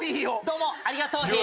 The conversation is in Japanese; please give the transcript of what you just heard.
どうもありが頭皮！